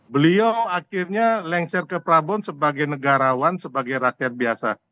beliau akhirnya lengser ke prabowo sebagai negarawan sebagai rakyat biasa